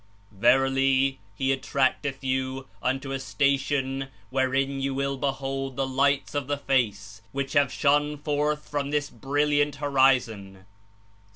Verily, He attracteth you unto a station wherein you will behold the Lights of the Face, which have shone forth from this bril liant Horizon."